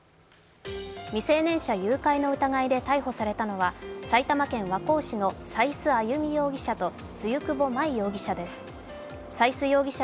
未成年者誘拐の疑いで逮捕されたのは埼玉県和光市の斉須歩容疑者と露久保舞容疑者らです。